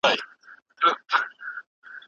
که د کلماتو له پلوه ورته وکتل سي